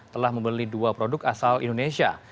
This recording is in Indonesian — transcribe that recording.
telah membeli dua produk asal indonesia